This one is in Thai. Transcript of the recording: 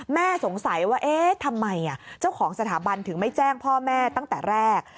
สงสัยว่าเอ๊ะทำไมเจ้าของสถาบันถึงไม่แจ้งพ่อแม่ตั้งแต่แรก